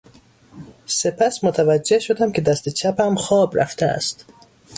سپس متوجه شدم که دست چپم خواب رفته است.